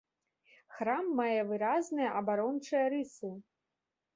Храм мае выразныя абарончыя рысы.